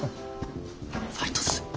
ファイトっす！